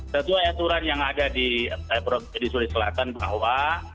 sesuai aturan yang ada di sulawesi selatan bahwa